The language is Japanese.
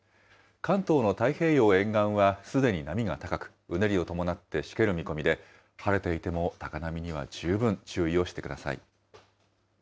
関東の太平洋沿岸はすでに波が高く、うねりを伴ってしける見込みで、晴れていても高波には十分注意をしてください。